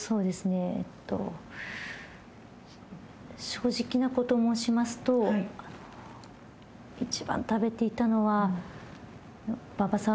正直なこと申しますと一番食べていたのは馬場さんが一番。